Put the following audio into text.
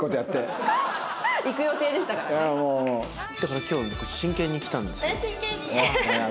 だから今日僕真剣に来たんですよはい。